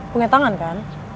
punya tangan kan